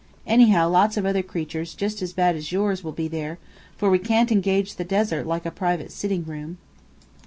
Anyhow, lots of other creatures just as bad as yours will be there, for we can't engage the desert like a private sitting room."